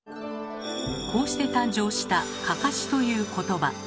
こうして誕生した「かかし」という言葉。